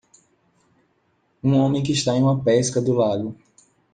Um homem que está em uma pesca do lago.